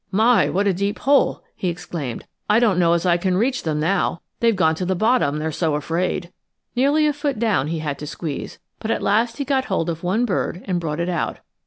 "My, what a deep hole!" he exclaimed. "I don't know as I can reach them now. They've gone to the bottom, they're so afraid." Nearly a foot down he had to squeeze, but at last got hold of one bird and brought it out.